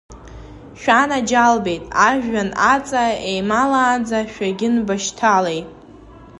Шәанаџьалбеит, ажәҩан аҵа еималаанӡа шәагьынбашьҭалеи!